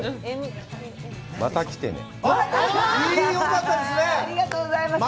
また来てね。